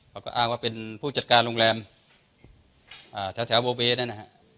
เขาก็อ้างว่าเป็นผู้จัดการโรงแรมแถวโบเบนั่นนะฮะ